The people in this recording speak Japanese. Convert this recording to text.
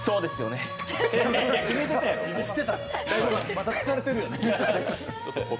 まだ疲れてるやん。